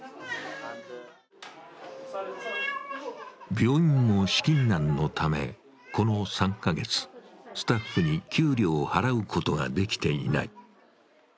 病院も資金難のため、この３カ月スタッフに給料を払うことができていない。